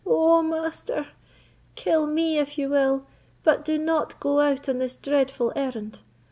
oh, master! kill me if you will, but do not go out on this dreadful errand!